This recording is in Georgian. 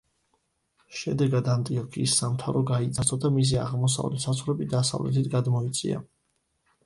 შედეგად ანტიოქიის სამთავრო გაიძარცვა და მისი აღმოსავლეთ საზღვრები დასავლეთით გადმოიწია.